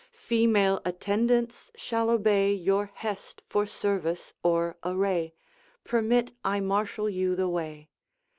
Female attendance shall obey Your hest, for service or array. Permit I marshal you the way.'